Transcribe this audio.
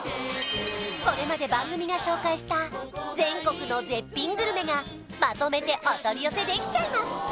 これまで番組が紹介した全国の絶品グルメがまとめてお取り寄せできちゃいます